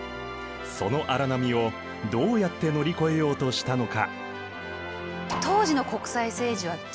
その荒波をどうやって乗り越えようとしたのか？